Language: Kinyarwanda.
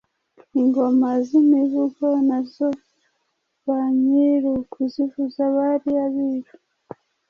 Ingoma z’Imivugo nazo ba nyirukuzivuza bari Abiru,